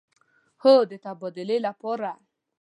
هو، د تبادلې لپاره